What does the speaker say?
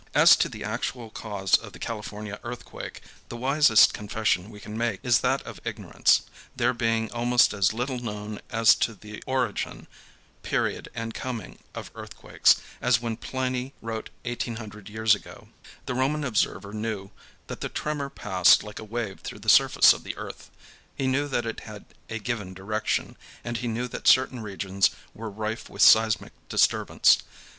As to the actual cause of the California earthquake, the wisest confession we can make is that of ignorance, there being almost as little known as to the origin, period and coming of earthquakes as when Pliny wrote 1,800 years ago. The Roman observer knew that the tremor passed like a wave through the surface of the earth; he knew that it had a given direction, and he knew that certain regions were rife with seismic disturbance.